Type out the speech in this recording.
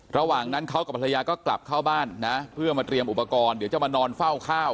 ระหว่างนั้นเขากับภรรยาก็กลับเข้าบ้านนะเพื่อมาเตรียมอุปกรณ์เดี๋ยวจะมานอนเฝ้าข้าว